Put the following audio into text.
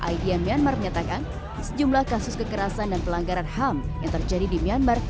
idm myanmar menyatakan sejumlah kasus kekerasan dan pelanggaran ham yang terjadi di myanmar